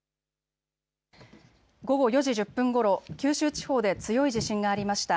午後４時１０分ごろ、九州地方で強い地震がありました。